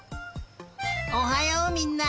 おはようみんな！